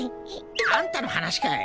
あんたの話かい！